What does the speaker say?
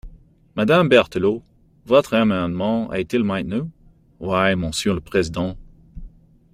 Madame Berthelot, votre amendement est-il maintenu ? Oui, monsieur le président.